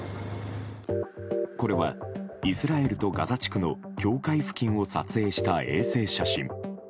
これは、イスラエルとガザ地区の境界付近を撮影した衛星写真。